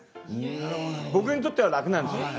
僕にとっては楽なんですよ。